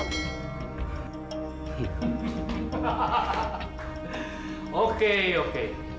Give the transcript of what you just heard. hahaha oke oke